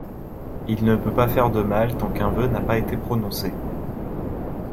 Il ne peut pas faire de mal tant qu'un vœu n'a pas été prononcé.